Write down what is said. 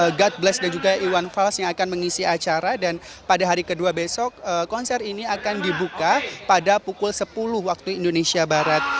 ada god bless dan juga iwan fals yang akan mengisi acara dan pada hari kedua besok konser ini akan dibuka pada pukul sepuluh waktu indonesia barat